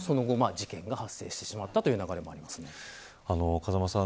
風間さん